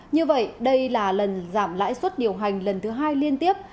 như vậy đây là lần giảm lãi suất điều hành lần thứ hai liên tiếp